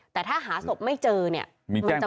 แต่ถ้าหาศพไม่เจอเนี่ยมันจะมีผลไหม